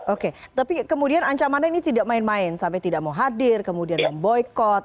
oke tapi kemudian ancamannya ini tidak main main sampai tidak mau hadir kemudian memboykot